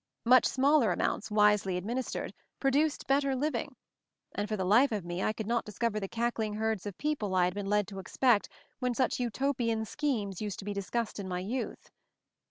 Much smaller amounts, wisely administered, produced better living, and for the life of me I could not discover the cackling herds of people I had been led to expect when such "Utopian schemes" used to be discussed in my youth.